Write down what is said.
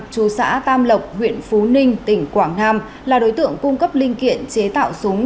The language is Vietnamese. chú xã tam lộc huyện phú ninh tỉnh quảng nam là đối tượng cung cấp linh kiện chế tạo súng